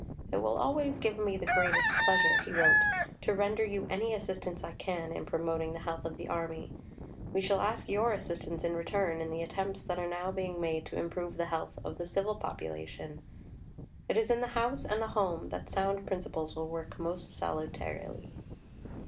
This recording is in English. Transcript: "It will always give me the greatest pleasure," he wrote, "to render you any assistance I can in promoting the health of the Army. We shall ask your assistance in return in the attempts that are now being made to improve the health of the civil population. It is in the House and the Home that sound principles will work most salutarily."